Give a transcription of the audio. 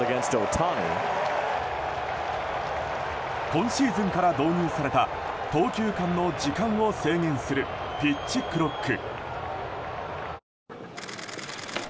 今シーズンから導入された投球間の時間を制限するピッチクロック。